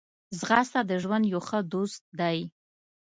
ځغاسته د ژوند یو ښه دوست دی